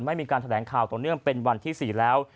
ไม่มีการแถลงข่าวต่อเนื่องเป็นวันที่๔แล้ว